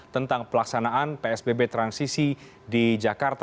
tentang pelaksanaan psbb transisi di jakarta